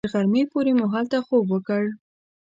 تر غرمې پورې مو هلته خوب وکړ.